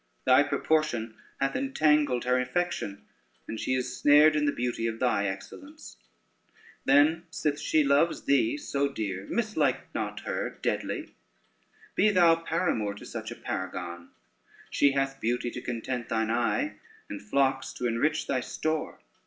Thy proportion hath entangled her affection, and she is snared in the beauty of thy excellence. Then, sith she loves thee so dear, mislike not her deadly. Be thou paramour to such a paragon: she hath beauty to content thine eye, and flocks to enrich thy store.